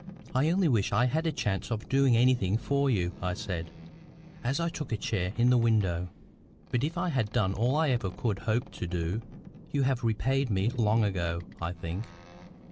"I only wish I had a chance of doing anything for you," I said, as I took a chair in the window. "But if I had done all I ever could hope to do, you have repaid me long ago, I think."